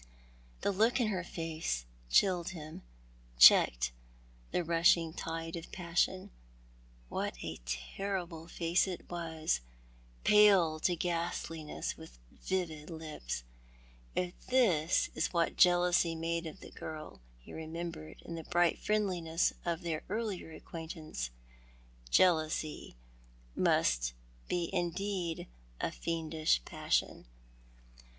The look in her face chilled him — checked the rushing tide of passion. What a terrible face it was, pale to ghastliness. In the Pine Wood. 103 with livid lips. If this Teas what jealousy made of the girl ho remembered in the bright friendliness of their earlier acfiuaint ance, jealousy must be indeed a fiendish passion.